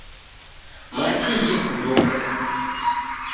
Machi ghikuduka